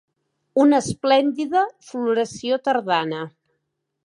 Una esplèndida floració tardana.